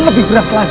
lebih berat lagi